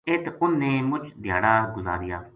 اِت اُنھ نے مُچ دھیاڑا گزاریا